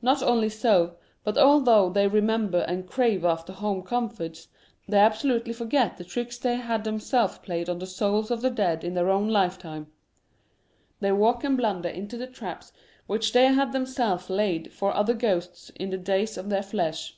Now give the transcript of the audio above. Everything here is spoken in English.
Not only so, but although they re member and crave after home comforts, they absolutely forget the tricks they had themselves played on the souls of the dead in their own life time ; they walk and blunder into the traps which they had themselves laid for other ghosts in the days of their flesh.